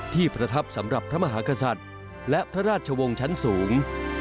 ประทับสำหรับพระมหากษัตริย์และพระราชวงศ์ชั้นสูง